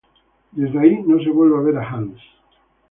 Desde ahí no se vuelve a ver a Hans.